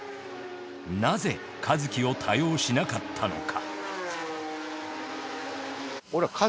なぜ一樹を多用しなかったのか？